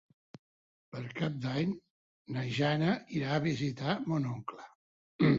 Per Cap d'Any na Jana irà a visitar mon oncle.